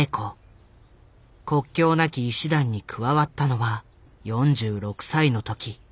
国境なき医師団に加わったのは４６歳の時。